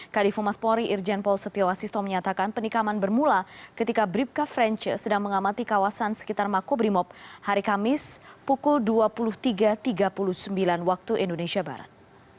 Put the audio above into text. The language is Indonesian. kadif humas polri irjen paul setiawasisto menyatakan penikaman bermula ketika bribka frenche sedang mengamati kawasan sekitar makobrimob hari kamis pukul dua puluh tiga tiga puluh sembilan waktu indonesia barat